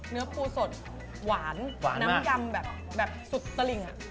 เนื้อปูสดหวานน้ำยำแบบสุดสลิง